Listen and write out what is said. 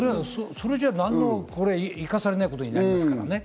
それじゃ何も生かされないことになりますからね。